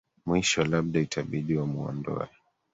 mwisho labda itabidi wanuondoe